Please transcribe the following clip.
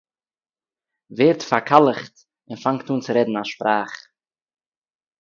ווערט פאַרקאַלכט און פאַנגט אָן צו רעדן אַ שפּראַך